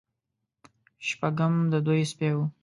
شپږم د دوی سپی و.